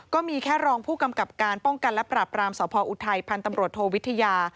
ก็มีแค่รองผู้กำกับการป้องกันและปราบรามสพออุทัยพันธ์ตำรวจโทวิทยา